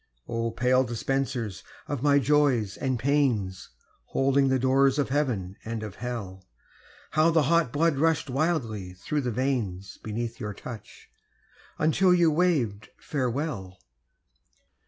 Oh, pale dispensers of my Joys and Pains, Holding the doors of Heaven and of Hell, How the hot blood rushed wildly through the veins Beneath your touch, until you waved farewell.